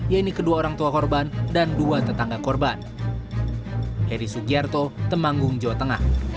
yaitu kedua orang tua korban dan dua tetangga korban